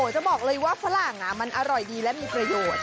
จะบอกเลยว่าฝรั่งมันอร่อยดีและมีประโยชน์